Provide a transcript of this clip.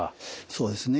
そうですね。